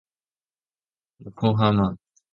横浜